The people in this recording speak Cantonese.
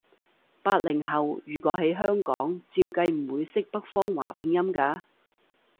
八零後，如果喺香港，照計唔會識北方話拼音㗎